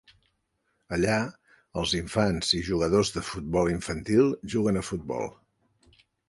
Allà, els infants i jugadors de futbol infantil juguen a futbol.